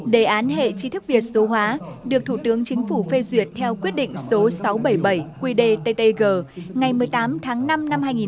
đề án hệ chi thức việt số hóa được thủ tướng chính phủ phê duyệt theo quyết định số sáu trăm bảy mươi bảy qdttg ngày một mươi tám tháng năm năm hai nghìn một mươi